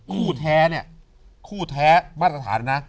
คู่แท้เนี่ยคู่แท้มาตรฐานนะ